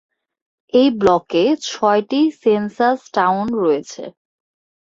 এই ব্লকে ছয়টি সেন্সাস টাউন রয়েছে।